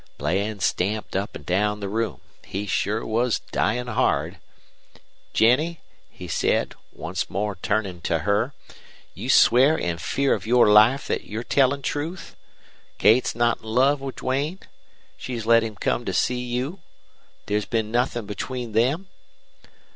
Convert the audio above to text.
"Bland stamped up an' down the room. He sure was dyin' hard. "'Jennie,' he said, once more turnin' to her. 'You swear in fear of your life thet you're tellin' truth. Kate's not in love with Duane? She's let him come to see you? There's been nuthin' between them?'